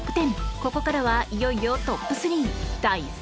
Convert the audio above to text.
ここからはいよいよトップ３。